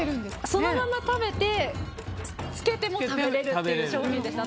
そのまま食べて、つけても食べれるという商品でした。